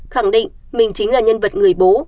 khẳng định mình chính là nhân vật người bố